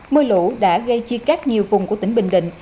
mưa lụ đã gây chi cắt nhiều vùng của tỉnh bình định